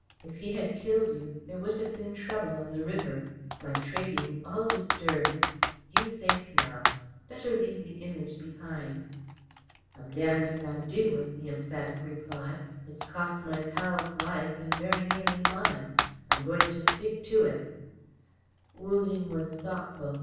If he had killed you, there would have been trouble on the river. My trading all disturbed. You safe now. Better leave the Image behind." "I'm damned if I do," was the emphatic reply. "It's cost my pal's life and very nearly mine. I am going to stick to it." Wu Ling was thoughtful.